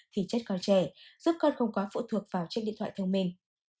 thì chất con trẻ giúp con không có phụ thuộc vào chiếc điện thoại thông minh